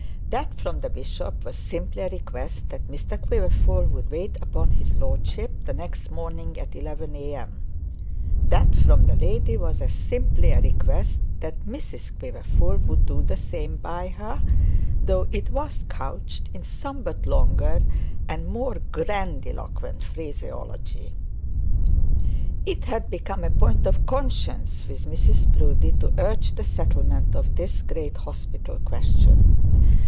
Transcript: That from the bishop was simply a request that Mr Quiverful would wait upon his lordship the next morning at 11 A.M.; and that from the lady was as simply a request that Mrs Quiverful would do the same by her, though it was couched in somewhat longer and more grandiloquent phraseology. It had become a point of conscience with Mrs Proudie to urge the settlement of this great hospital question.